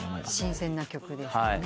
新鮮な曲ですね。